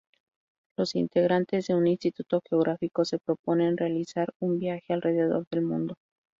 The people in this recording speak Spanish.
Los integrantes de un instituto geográfico se proponen realizar un viaje alrededor del mundo.